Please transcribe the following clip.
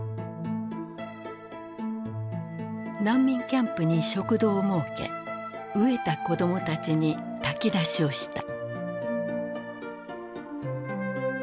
難民キャンプに食堂を設け飢えた子どもたちに炊き出しをした。